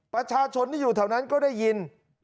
ประชาชนที่อยู่แถวนั้นก็ได้ยิน